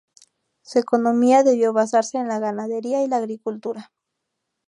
Su economía debió basarse en la ganadería y la agricultura.